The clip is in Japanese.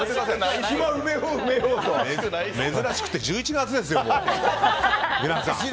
珍しくって１１月ですよ皆さん。